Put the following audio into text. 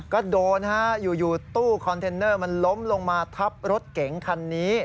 ก็โดนฮะอยู่ตู้คอนเทนเนอร์มันล้มลงมาทับรถเก๋งคันนี้